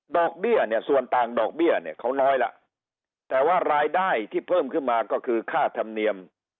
เบี้ยเนี่ยส่วนต่างดอกเบี้ยเนี่ยเขาน้อยล่ะแต่ว่ารายได้ที่เพิ่มขึ้นมาก็คือค่าธรรมเนียม